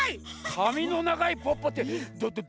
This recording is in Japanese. かみのながいポッポってどどどど